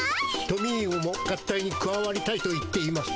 トミーゴも合体にくわわりたいと言っています。